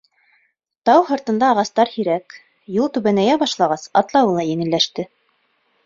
Тау һыртында ағастар һирәк, юл түбәнәйә башлағас, атлауы ла еңелләште.